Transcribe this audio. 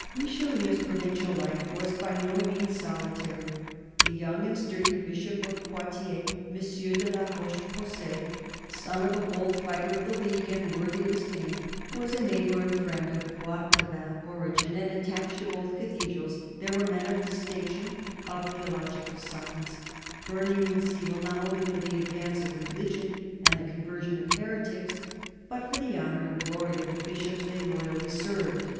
Richelieu's provincial life was by no means solitary. The young and sturdy Bishop of Poitiers, M. de la Roche posay, son of a bold fighter of the League and worthy of his name, was a neighbour and friend of Poitevin origin; and attached to both cathedrals there were men of distinction, of theological science, burning with zeal not only for the advance of religion and the conversion of heretics, but for the honour and glory of the bishops they loyally served.